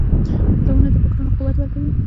• کتابونه د فکرونو قوت ورکوي.